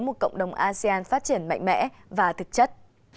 một cộng đồng asean phát triển mạnh mẽ và thực chất